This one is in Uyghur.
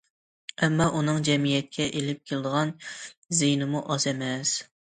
ئەمما ئۇنىڭ جەمئىيەتكە ئېلىپ كېلىدىغان زىيىنىمۇ ئاز ئەمەس.